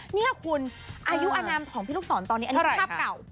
นี่คุณอายุอนามของพี่ลูกศรตอนนี้อันนี้ภาพเก่า